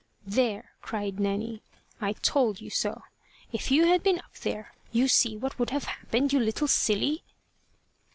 "There!" cried Nanny; "I told you so. If you had been up there you see what would have happened, you little silly!"